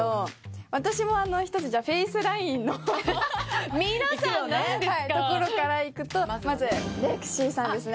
私も１人じゃあフェイスラインのところからいくとまずレクシーさんですね。